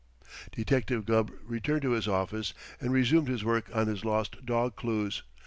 Detective Gubb returned to his office and resumed his work on his lost dog clues.